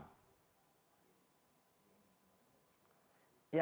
ya kami sudah menyampaikan